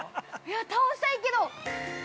◆倒したいけど。